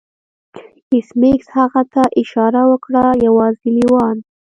ایس میکس هغه ته اشاره وکړه یوازې لیوان